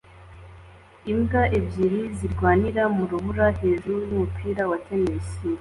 Imbwa ebyiri zirwanira mu rubura hejuru yumupira wa tennis